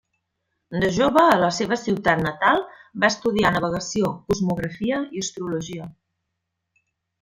De jove a la seva ciutat natal va estudiar navegació, cosmografia i astrologia.